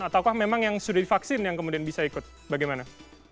atau sudah divaksin yang kemudian bisa ikut bagaimana